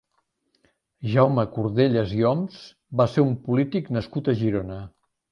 Jaume Cordelles i Oms va ser un polític nascut a Girona.